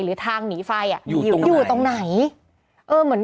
หรือทางหนีไฟอยู่ตรงไหน